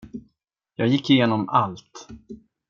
Jag gick igenom allt.